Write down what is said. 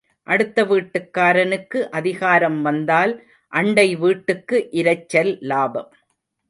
அடுத்த வீட்டுக்காரனுக்கு அதிகாரம் வந்தால் அண்டை வீட்டுக்கு இரைச்சல் லாபம்.